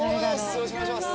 よろしくお願いします。